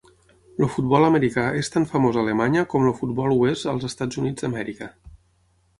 El futbol americà és tan famós a Alemanya com el futbol ho es als Estats Units d'Amèrica.